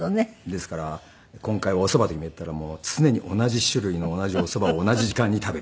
ですから今回はおそばと決めたらもう常に同じ種類の同じおそばを同じ時間に食べる。